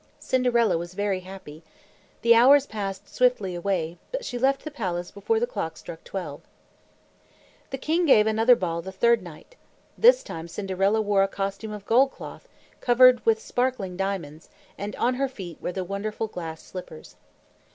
Cinderella was very happy. The hours passed swiftly away, but she left the palace before the clock struck twelve. The king gave another ball the third night. This time Cinderella wore a costume of gold cloth, covered with sparkling diamonds; and on her feet were the wonderful glass slippers.